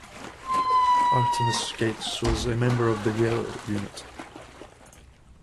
Artemus Gates was a member of the Yale unit.